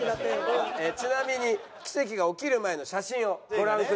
ちなみに奇跡が起きる前の写真をご覧ください。